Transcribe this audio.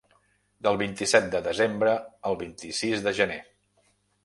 Del vint-i-set de desembre al vint-i-sis de gener.